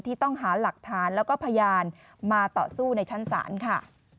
ต้องหาหลักฐานแล้วก็พยานมาต่อสู้ในชั้นศาลค่ะ